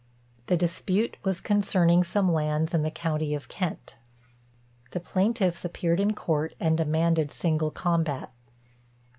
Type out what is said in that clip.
The dispute was concerning some lands in the county of Kent. The plaintiffs appeared in court, and demanded single combat.